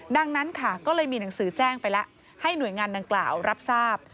ดังนั้นค่ะก็เลยมีหนังสือแจ้งไปแล้วให้หน่วยงานดังกล่าวรับทราบ